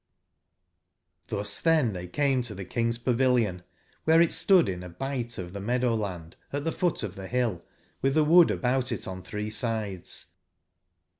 JRQS tben tbey came to tbe King's pavilion, wbereitstoodinabigbtof tbemeadow/land at tbe foot of tbe bill, witb tbe wood about it on three sides.